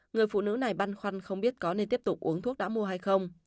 người phụ nữ này băn khoăn không biết có nên tiếp tục uống thuốc đã mua hay không